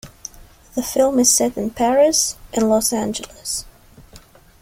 The film is set in Paris and Los Angeles.